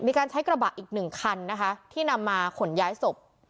มีการใช้กระบะอีกหนึ่งคันนะคะที่นำมาขนย้ายศพ